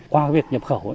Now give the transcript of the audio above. qua việc nhập khẩu